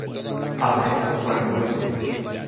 Al menos no por el momento.